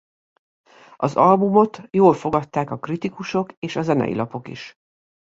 Az albumot jól fogadták a kritikusok és a zenei lapok is.